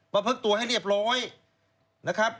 ประพฤติตัวให้เรียบร้อยนะครับ